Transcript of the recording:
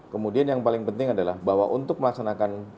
kemudian yang paling penting adalah bahwa untuk melaksanakan